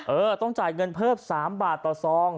เออต้องจ่ายเงินเพิ่ม๓บาทต่อซอง